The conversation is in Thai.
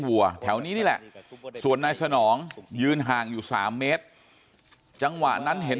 วัวแถวนี้นี่แหละส่วนนายสนองยืนห่างอยู่๓เมตรจังหวะนั้นเห็น